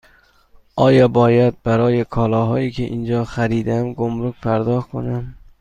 آیا باید برای کالاهایی که اینجا خریدم گمرگ پرداخت کنم؟